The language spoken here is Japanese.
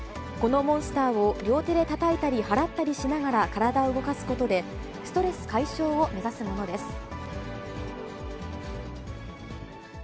このモンスターを両手でたたいたり払ったりしながら体を動かすことで、ストレス解消を目指すものです。